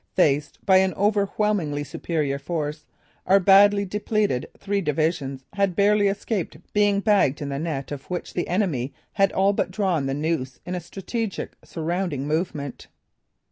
Faced by an overwhelmingly superior force, our badly depleted three divisions had barely escaped being bagged in the net of which the enemy had all but drawn the noose in a strategetic surrounding movement.